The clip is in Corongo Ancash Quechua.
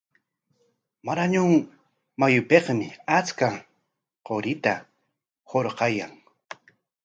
Marañon mayupikmi achka qurita hurquyan.